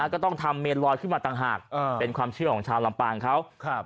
ก็ต้องทำเมนลอยขึ้นมาต่างหากเป็นความเชื่อของชาวลำปางเขา